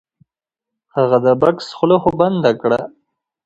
هغه د بکس خوله بنده کړه. .